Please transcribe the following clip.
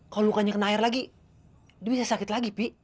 kalau lukanya kena air lagi dia bisa sakit lagi pi